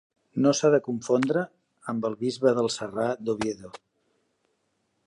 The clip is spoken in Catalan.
No s'ha de confondre amb el bisbe del Serrà d'Oviedo.